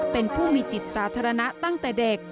เป็นผู้มีจิตสาธารณะตั้งแต่เด็ก